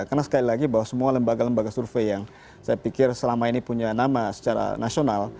karena sekali lagi bahwa semua lembaga lembaga survei yang saya pikir selama ini punya nama secara nasional